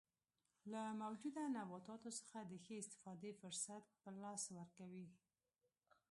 له موجوده نباتاتو څخه د ښې استفادې فرصت په لاس ورکوي.